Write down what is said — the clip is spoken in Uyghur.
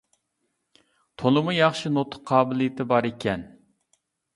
تولىمۇ ياخشى نۇتۇق قابىلىيىتى بار ئىكەن.